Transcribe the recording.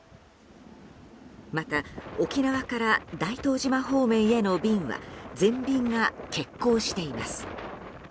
また沖縄から大東島方面への便は全便が欠航しています。